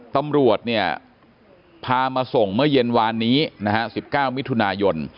ตำรวจเนี่ยพามาส่งเมื่อเย็นวานนี้นะฮะ๑๙มิถุนายน